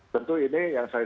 tentu ini yang saya